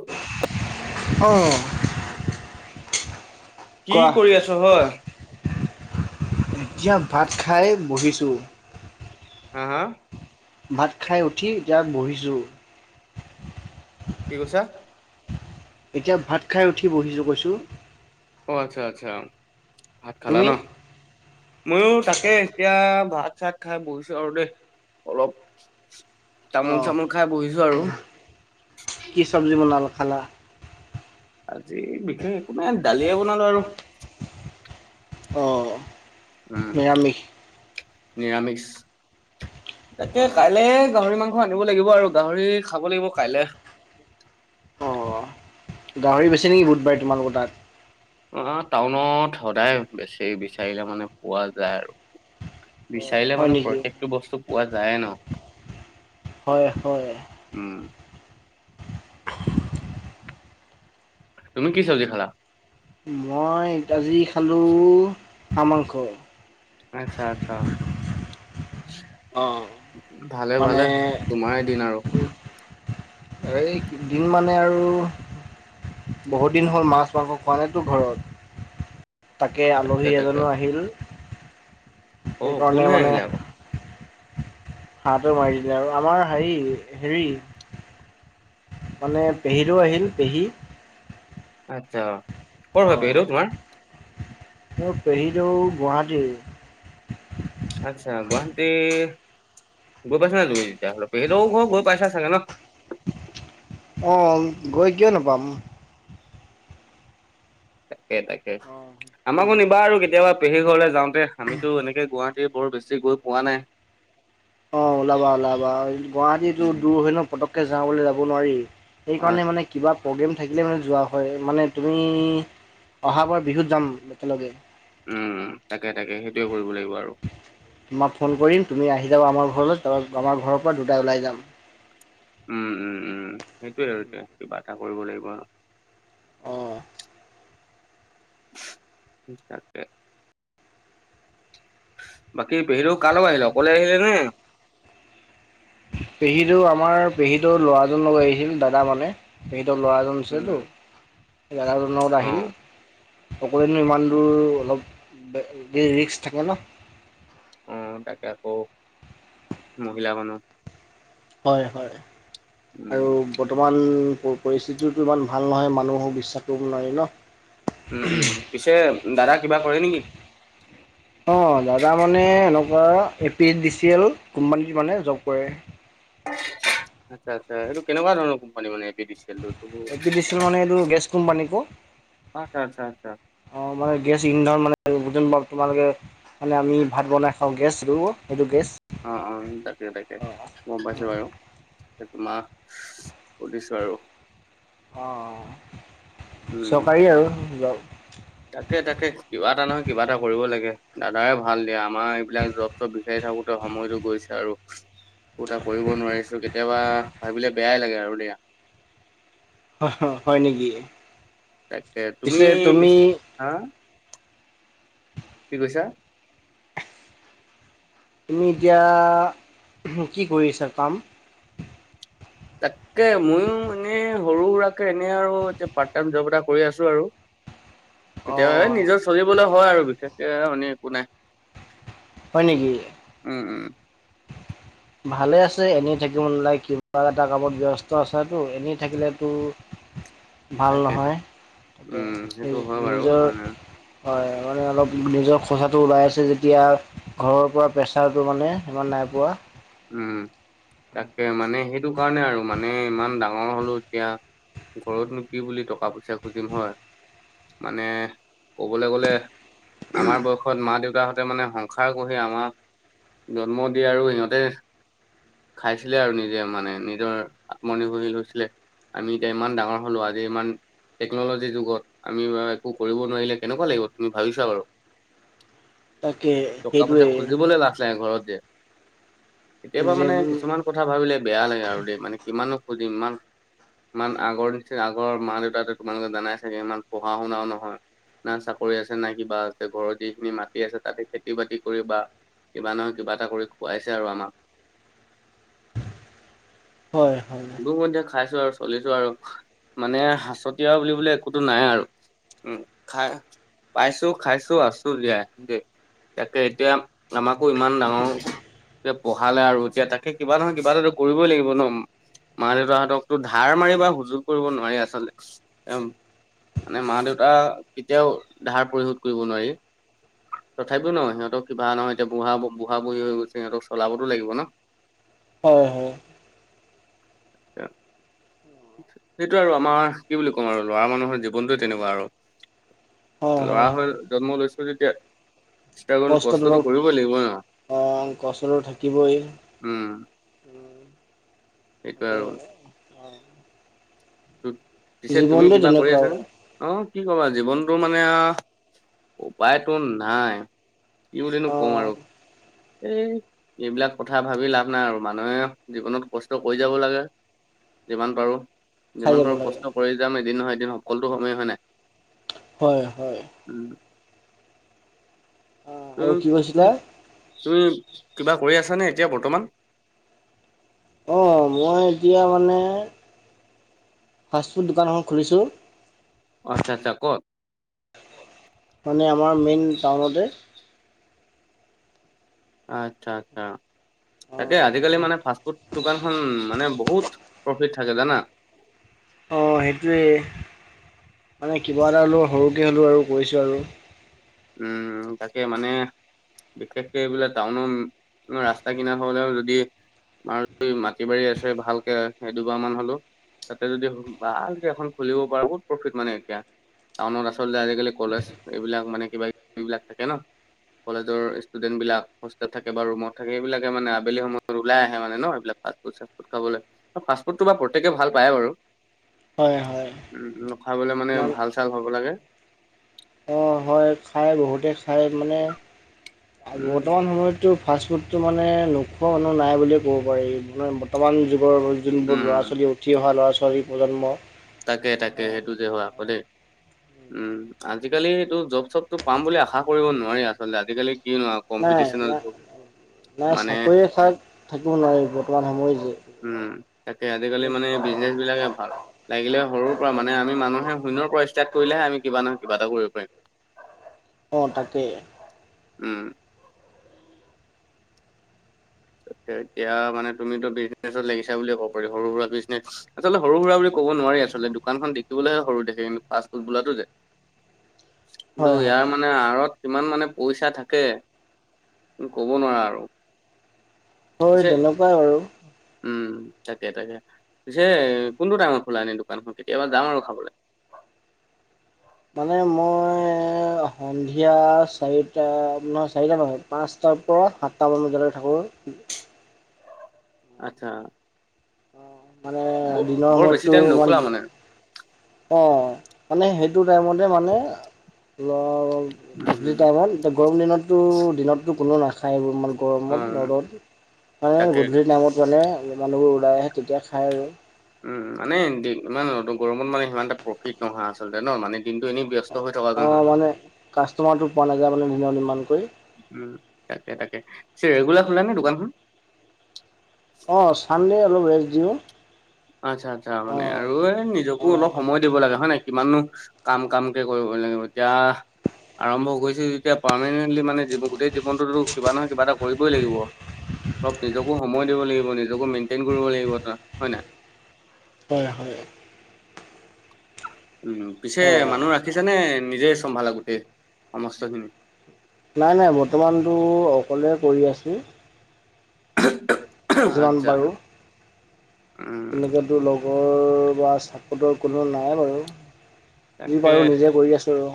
অ' কোৱা কি কৰি আছ হয় এতিয়া ভাত খাই বহিছো হা হা ভাত খাই উঠি জাষ্ট এতিয়া বহিছোঁ কি কৈছা এতিয়া ভাত খাই উঠি বহিছোঁ কৈছোঁ অ আচ্ছা আচ্ছা ভাত খালা তুমি? ন ময়ো তাকে এতিয়া ভাত চাত খাই বহিছো আৰু দেই অলপ তামোল অ', চামোল খাই বহিছো আৰু চব্জী বনালো খালা আজি বিশেষ একো নাই দালিয়ে বনালো আৰু অঁ উম নিৰামিষ তাকে কাইলে গাহৰি মাংস আনিব লাগিব আৰু গাহৰি খাব লাগিব কাইলে অঁ গাহৰি বেছি নেকি বুধবাৰে তোমালোকৰ তাত অ টাউনত সদায় বেছি বিচাৰিলে মানে পোৱা যায় আৰু অ', বিচাৰিলে হয় মানে নেকি? প্ৰত্যেকটো বস্তু পোৱা যায় ন হয় হয় উম [unintelligible] তুমি কি [unintelligible] খালা মই আজি খালোঁ হাঁহ মাংস। আচ্ছা-আচ্ছা। অ', মানে ভালে-ভালে তোমাৰ দিন আৰু এই দিন মানে আৰু বহুত দিন হ'ল মাছ-মাংস খোৱা নাইতো ঘৰত। তাকে আলহী এজনো আহিল। অ', সেইকাৰণে কোনহে মানে আহিলে আকৌ? হাঁহটো মাৰি দিলে আৰু আমাৰ হেৰি- হেৰি মানে পেহীদৌ আহিল পেহী। আচ্ছা কৰ হয় পেহিদৌ তোমাৰ? মোৰ পেহিদৌ গুৱাহাটীৰ। আচ্ছা গুৱাহাটী গৈ পাইছা নাই তুমি তেতিয়াাহ'লে পেহিদৌ ঘ গৈ পাইছা চাগে ন? অ', গৈ কিয় নাপাম? তাকে-তাকে আমাকো নিবা আৰু কেতিয়াবা পেহীৰ ঘৰলে যাওঁতে আমিতো এনেকে গুৱাহাটী বৰ বেছি গৈ পোৱা নাই। অ', ওলাবা-ওলাবা গুৱাহাটীটো দূৰ হয় ন পতককে যাওঁ বুলি যাব নোৱাৰি। অ সেইকাৰণে মানে কিবা প্ৰগ্ৰেম থাকিলে মানে যোৱা হয় মানে তুমি অহাবাৰ বিহুত যাম একেলগে। উম তাকে-তাকে সেইটোয়ে কৰিব লাগিব আৰু। তোমাক ফোন কৰিম তুমি আহি যাবা আমাৰ ঘৰলৈ তাৰ পৰা আমাৰ ঘৰৰ পৰা দুটাই ওলাই যাম। উম উম উম সেইটোয়ে আৰু এতিয়া কিবা এটা কৰিব লাগিব আৰু। অ'। তাকে বাকী পেহিদৌ কাৰ লগত আহিলে অকলে আহিলে নে? পেহিদৌ আমাৰ পেহিদৌ ৰ ল'ৰাজনৰ লগত আহিছিল দাদা মানে। পেহিদৌৰ ল'ৰাজন উম আছিলেতো দাদাজনৰ লগত অ আহিল। অকলেনো ইমান দূৰ অলপ বে ৰিক্স থাকে ন। অ', তাকে আকৌ মহিলা মানুহ। হয় -হয়, উম আৰু বৰ্তমান প পৰিস্থিতিতো ইমান ভাল নহয় মানুহো বিশ্বাস কৰিব নোৱাৰি ন উম- উম, পিছে দাদা কিবা কৰে নে কি? অ', দাদা মানে এনেকুৱা A P D C L কোম্পানীত মানে জব কৰে। আচ্ছা-আচ্ছা, এইটো কেনেকুৱাধৰণৰ কোম্পানী মানে A P D C L টো? এ পি ডিছি এল মানে এইটো গেছ কোম্পানী আকৌ। আচ্ছা আচ্ছা আচ্ছা অ', মানে গেছ ইন্ধন মানে [unintelligible] তোমালোকে মানে আমি ভাত বনাই খাওঁ গেছ আৰু সেইটো গেছ। অ', অ', তাকে -তাকে, গম পাইছো বাৰু। সেইটো তোমাৰ সুধিছো আৰু। অ', অ', চৰকাৰী আৰু যব তাকে-তাকে, কিবা এটা নহয় কিবা এটা কৰিব লাগে দাদাই ভাল দিয়া আমাৰ এইবিলাক জব চব বিচাৰি থাকোতে সময়তো গৈছে আৰু। একো এটা কৰিব নোৱাৰিছো কেতিয়াবা ভাবিলে বেয়াই লাগে আৰু দিয়া। অহ, হয় নেকি? তাকে তুমি পিচ হা কি কৈছা? তুমি এতিয়া কি কৰি আছা কাম? তাকে মইও এনেই সৰু সুৰাকে এনেই আৰু এতিয়া পাৰ্ট টাইম জব এটা কৰি আছো আৰু। অ কেতিয়া এই নিজৰ চলিবলৈ হয় আৰু বিশেষকে আৰু অনি একো নাই। হয় নেকি? উম উম। ভালে আছে, এনেই থা থাকিব নালাগে কিবা এটা কামত ব্যস্ত আছেতো এনেই থাকিলেতো ভাল তাকে নহয়, তাকে উম সেইটো হয় বাৰু নিজৰ মানে হয়, মানে অলপ নিজৰ খৰচাটো ওলাই আছে যেতিয়া ঘৰৰ পৰা প্ৰেছাৰটো মানে সিমান নাই পোৱা। উম তাকে, মানে সেইটো কাৰণে আৰু মানে ইমান ডাঙৰ হলো এতিয়া। ঘৰতনো কি বুলি টকা পইচা খুজিম হয়, মানে কবলৈ গলে আমাৰ বয়সত মাঁ, দেউতাহঁতে সিঁহতে মানে সংসাৰ গঢ়ি আমাক জন্ম দিয়ে আৰু সিহঁতে খাইছিলে আৰু নিজে মানে নিজৰ আত্মনিৰ্ভৰশীল হৈছিলে। আমি এতিয়া ইমান ডাঙৰ হলো আজি ইমান টেকন'লজিৰ যুগত আমি বা একো কৰিব নোৱাৰিলে কেনেকুৱা লাগিব তুমি ভাবি চোৱা বাৰু। তাকে টকা পইচা সেইটোৱে খুজিবলে লাজ লাগে ঘৰত যে। কেতিয়াবা যে মানে কিছুমান কথা ভাবিলে বেয়া লাগে আৰু দেই, মানে কিমানো খুজিম ইমান ইমান আগৰ নিচিনা আগৰ মাঁ, দেউতাহঁতে তোমালোকে জানাই চাগে ইমান পঢ়া শুনাও নহয়। না চাকৰি আছে না কিবা আছে ঘৰত যিখিনি মাটি আছে তাতে খেতি বাতি কৰি বা কিবা নহয় কিবা এটা কৰি খুৱাইছে আৰু আমাক। হয়। কোনোমধ্যে খাইছো আৰু চলিছো আৰু মানে সাঁচতীয়া বুলিবলে একোতো নাই আৰু। উম, খাই পাইছো খাইছো আছোঁ জীয়াই, তাকে এতিয়া আমাকো ইমান ডাঙৰ লৈকে পঢ়ালে আৰু এতিয়া তাকে কিবা নহয় কিবা এটা কৰিবই লাগিব ন, মাঁ দেউতাহঁতক তোৰ ধাৰ মাৰি বা সুজুগ কৰিব নোৱাৰি আচলতে। মানে মাঁ দেউতাৰ কেতিয়াও ধাৰ পৰিশোধ কৰিব নোৱাৰি। তথাপিও ন সিহঁতক কিবা নহয় এতিয়া বুঢ়া বঢ়ী হৈ গৈছে সিহঁতক চলাবতো লাগিব ন। হয় হয়। [inaudible] সেইটো আৰু আমাৰ কি বুলি ক'ম আৰু ল'ৰা মানুহৰ জীৱনটোয়ে তেনেকুৱা আৰু। হয় ল'ৰা হয় হৈ জন্ম লৈছো যেতিয়া ষ্ট্ৰাগুল কষ্টটো কৰিবই লাগিব ন। অ', কষ্টটো থাকিবই। উম, সেইটোৱেই আৰু। পিছে তুমি জীৱনটো কিবা কৰি তেনেকুৱা আছা নে? অঁ কি ক'বা জীৱনটো মানে আৰু উপায়টো নাই কি বুলিনো অ কম আৰু এ এইবিলাক কথা ভাবি লাভ নাই আৰু মানুহে জীৱনত কষ্ট কৰি যাব লাগে। যিমান পাৰোঁ খাই যিমান যাব পাৰোঁ লাগে কষ্ট কৰি যাম এদিন নহয় এদিন সফলতো হমেই, হয় নাই? হয় হয়। উম। উম, তু আৰু কি কৈছিলা? তুমি কিবা কৰি আছা নে এতিয়া বৰ্তমান? অহ মই এতিয়া মানে ফাষ্টফুড দোকান এখন খুলিছোঁ আচ্ছা-আচ্ছা কত। মানে আমাৰ মেইন টাউনতে। আচ্ছা আচ্ছা অ' তাকে আজিকালি মানে ফাষ্টফুড দোকানখন মানে বহুত প্ৰফিট থাকে জানা। অহ সেইটোৱেই মানে কিবা এটা হ'লেও সৰুকৈ হ'লেও আৰু কৰিছোঁ আৰু। উম তাকে মানে। বিশেষকে এইবিলাক টাউনৰ ৰাস্তা কিনাৰ হলেও যদি আৰু কি মাটি বাৰী আছে ভালকে এদোবাৰ মান হলেও। তাতে যদি ভালকে এখন খুলিব পাৰ বহুত প্ৰফিট মানে এতিয়া টাউনত আচলতে আজিকালি কলেজ এইবিলাক মানে কিবা কিবি বিলাক থাকে ন' কলেজৰ ইস্তটেণ্ট বিলাক হোষ্টেল থাকে বা ৰুমত থাকে সেইবিলাকে মানে আবেলি সময়ত ওলাই আহে মানে ন' সেবিলাক। ফাষ্টফুড চাফুড খাবলে ফাষ্টফুডটো বা প্ৰত্যেকে ভাল পায়ে বাৰু। হয় হয় উম অলপ খাবলে মানে ভাল চাল হ'ব লাগে অহ হয় খায় বহুতে খায় মানে উম বৰ্তমান সময়তো ফাষ্টফুডটো মানে নোখোৱা মানুহ নাই বুলিয়ে ক'ব পাৰি। নহয় বৰ্তমান যুগৰ যোনবোৰ ল'ৰা উম ছোৱালী, উঠি অহা ল'ৰা ছোৱালীৰ প্ৰজন্ম তাকে তাকে অ' সেইটো যে হয় আকৌ দেই। উম আজিকালিটো জৰ্ব চ'বতটো পাম বুলি আশা কৰিব নোৱাৰি আচলতে। আজিকালি কি নোৱা। নাই নাই নাই চাকৰি আশাত থাকিব নোৱাৰি বৰ্তমান সময় যে। উম তাকে আজিকালি মানে বিজনেছ বিলাকে ভাল। লাগিলে সৰুৰ পৰা মানে আমি মানুহে শূন্যৰ পৰা ষ্টাৰ্ট কৰিলেহে আমি কিবা নহয় কিবা এটা কৰিব পাৰিম। হয়। অহ' তাকেই উম ‌এতিয়া এতিয়া মানে তুমিতো বিজনেছত লাগিছা বুলিয়ে কব পাৰি। সৰু সুৰা বিজনেছ। আচলতে সৰু সুৰা বুলি ক'ব নোৱাৰি। আচলতে দোকানখন দেখিবলৈহে সৰু দেখে কিন্তু ফাষ্টফুড বোলাটো যে কিন্তু হয়, হয়, ইয়াৰ মানে আঁৰত কিমান মানে পইচা থাকে। উম ক'ব নোৱাৰা আৰু হয়। পিছে তেনেকুৱাই আৰু উম তাকে তাকে। পিছে এ কোনটো টাইমত খোলা এনেই দোকানখন? কেতিয়াবা যাম আৰু খাবলে। মানে মই ই ই সন্ধিয়া চাৰিটা ন' চাৰিলৈকে পাঁচটাৰ পৰা সাতামান বজালৈকে থাকোঁ। আচ্ছা। ' মানে ব- দিনৰ বৰ বেছি সময়তো টাইম ইমান। নোখোলা মানে অহ' মানে সেইটো টাইমতে মানে ল। গধূলি উম, টাইমত এতিয়া গৰম দিনতটো দিনতো কোনো নাখায়। ঠাইবোৰ ইমান গৰমত অ' ৰ'দত মানে তাকে গধূলি টাইমত। জনে মানুহবোৰ ওলাই আহে। তেতিয়া খায় আৰু। উম মানে দি ইমান ৰ'দ গৰমত মানে সিমান এটা প্ৰফিট নহয় আচলতে ন'। মানে দিনটো এনেই ব্যস্ত। হৈ থকা যেন অহ হয়। মানে কাষ্টমাৰটো পোৱা নাযায় মানে দিনত ইমান কৰি। উম তাকে তাকে। পিছে ৰেগুলাৰ খোলা নে দোকানখন? অহ চানডে অলপ ৰেষ্ট দিওঁ আচ্ছা আচ্ছা মানে অ', আৰু এই নিজকো অলপ অ', সময় দিব লাগে হয় নাই। কিমাননো। কাম কাম কে কৰিব লাগিব এতিয়া। আৰম্ভ কৰিছে যেতিয়া পাৰ্মমানেণ্টলি মানে যিটো গোটেই জীৱনটোতো কিবা নহয় কিবা এটা কৰিবই লাগিব। অলপ নিজকো সময় দিব লাগিব, নিজকো মেইনটেইন কৰিব লাগিব চা। হয় নাই? হয় হয়। উম, পিছে অ'। মানুহ ৰাখিছে নে নিজে চম্ভালে গোটেই সমস্ত খিনি? নাই নাই বৰ্তমানটো অকলে কৰি আছোঁ। যিমান আচ্ছা। পাৰোঁ। উম, তেনেকেতো লগৰ বা চাপতৰ কোনো নাই বাৰু। যি তাকে পাৰো নিজে কৰি আছো আৰু।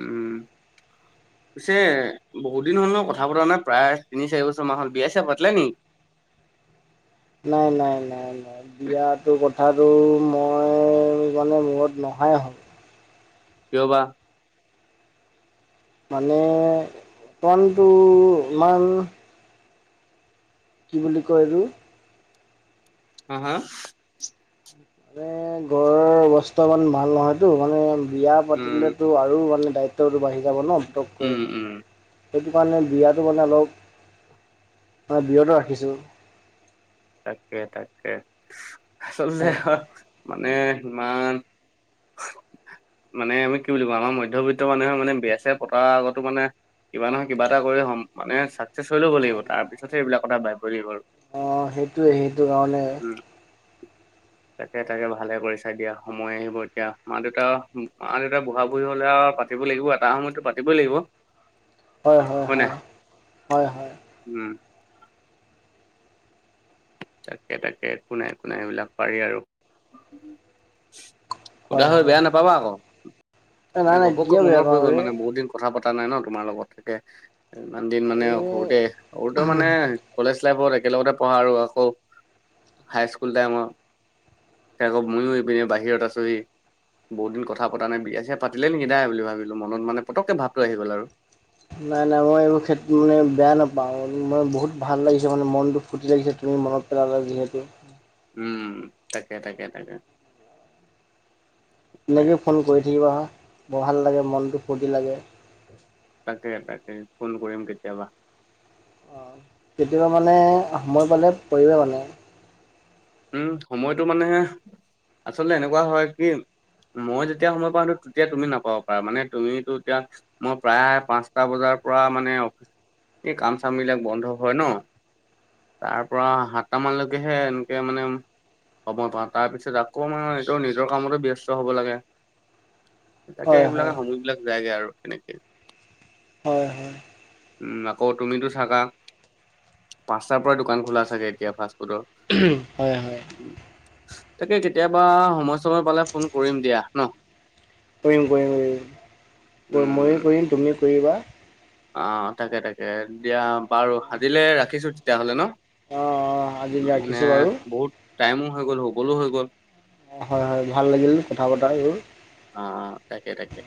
উম। পিছে বহুত দিন হ'ল ন' কথা পতৰা নাই প্ৰায় তিনি চাৰি বছৰ মান হল। বিয়া চিয়া পাতিলা নেকি? নাই নাই নাই। বিয়াটো কথাটো মই মানে মূৰত নহায় হ'ল। কিয় বা? মানে প্লানটো ইমান - কি বুলি কয় এইটো? হা হা? মানে ঘৰৰ অৱস্থা ইমান ভাল নহয়তো। মানে বিয়া উম পাতিলেতো আৰু মানে দায়িত্ব - দায়িত্ব টো বাঢ়ি যাব ন পটক কৈ। উম উম সেইটো কাৰণে বিয়াটো মানে অলপ মানে বিৰত ৰাখিছোঁ। তাকে তাকে, আচলতে হয় - মানে সিমান - মানে আমি কি বুলি কওঁ আমাৰ মধ্যবিত্ত মানুহে মানে বিয়া চিয়া পতাৰ আগতো মানে - কিবা নহয় কিবা এটা কৰি হ'ম মানে চাকচেক্স হৈ ল'ব লাগিব তাৰ পিছতহে এইবিলাক কথা ভাবিব লাগিব আৰু। অঁ সেইটোৱে সেইটো কাৰণে - [inaudible] তাকে তাকে ভালে কৰি চাই দিয়া সময় আহিব এতিয়া। মা দেউতা, মা দেউতা বঢ়া বুঢ়ী হলে আও পাতি- পাতিব লাগিব। এটা সময়ততো পাতিবই লাগিব। হয় হয় হয়। হয় হয়। হুম। তাকে তাকে, একো নাই একো নাই এইবিলাক পাৰি আৰু। সুধা হৈ বেয়া নাপাবা আকৌ এ মানে নাই নাই ঘপককৈ কিয় বেয়া মনত পৰি পাওঁ গ'ল ৰে মানে বহুত দিন - কথা পতা নাই ন তোমাৰ লগত। তাকে ইমান দিন মানে এ সৰুতে, সৰুতে মানে - কলেজ লাইফত একেলগতে পঢ়া আৰু আকৌ হাইস্কুল টাইমত - তাকে আকৌ মইয়ো এইপিনে বাহিৰত আছোহি। বহুত দিন কথা পা নাই বিয়া চিয় পাতিলে নেকি দাই বুলি ভাবিলো মনত মানে পতকে ভাৱটো আহি গল আৰু। নাই নাই মই এইবোৰ ক্ষেতত মানে বেয়া নাপাওঁ মানে বহুত ভাল লাগিছে মানে মনটো ফূৰ্তি লাগিছে তুমি মনত - পেলালা যিহেতু। উম, তাকে তাকে তাকে। নাই এনেকেই ফোন কৰি থাকিবা। বৰ ভাল লাগে মনটো ফূৰ্তি লাগে। তাকে তাকে ফোন কৰিম কেতিয়াবা। অঁ কেতিয়াবা মানে সময় পালে কৰিবা মানে। উম সময়টো মানে, আচলতে এনেকুৱা হয় কি - মই যেতিয়া সময় পাওঁ তেতিয়া তুমি নাপাব পাৰা, মানে তুমিতো এতিয়া - মই প্ৰায় পাঁচটা বজাৰ পৰা মানে, অফি - এই কাম চাম বিলাক বন্ধ হয় ন, তাৰ পৰা সাতটা মানলৈকে হে - এয়া মানে সময় পাওঁ তাৰপিছত আকৌ মানে মই নিজৰ কামতো ব্যস্ত হ'ব লাগে। তাকে হয় এইবিলাকে হয় সময় বিলাক যায়গে আৰু সনেকেই। হয় হয়। উম আকৌ তুমিতো চাগা পাঁচটাৰ পৰাই দোকান খোলা চাগে এতিয়া ফাষ্টফুডৰ? [unintelligible] হয় হয়। তাকে কেতিয়াবা সময় সময় পালে ফোন কৰিম দিয়া ন? কৰিম কৰিম কৰিম ময়ো উম কৰিম তুমিও কৰিবা। অ তাকে তাকে দিয়া বাৰু আজিলে ৰাখিছো তেতিয়াহলে ন? অঁ অঁ আজি মানে ৰাখিছোঁ বাৰু বহুত টাইমো হৈ গ'ল শুবলো হৈ গ'ল। অ হয় হয় ভাল লাগিল কথা পতা আৰু। অ অ তাকে তাকে।